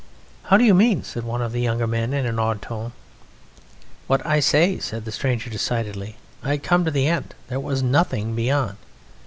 "How do you mean?" said one of the younger men in an awed tone. "What I say," said the stranger decidedly. "I had come to the end; there was nothing beyond.